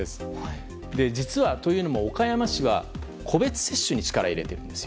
実は、岡山市個別接種に力を入れているんです。